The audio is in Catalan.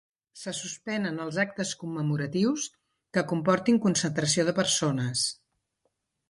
Se suspenen els actes commemoratius que comportin concentració de persones.